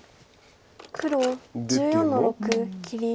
黒１４の六切り。